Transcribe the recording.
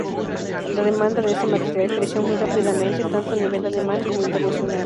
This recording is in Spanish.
La demanda de este material creció muy rápidamente tanto a nivel alemán como internacional.